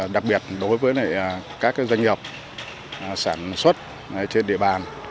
đặc biệt đối với các doanh nghiệp sản xuất trên địa bàn